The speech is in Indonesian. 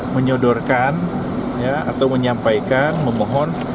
menyodorkan atau menyampaikan memohon